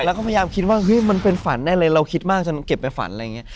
แล้วก็พยายามคิดว่าเฮ้ยมันเป็นฝันได้เลยเราคิดมากจนเก็บไปฝันอะไรอย่างนี้